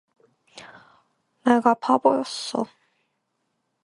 내가 바보였어.